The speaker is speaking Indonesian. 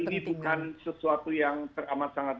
ini bukan sesuatu yang teramat sangat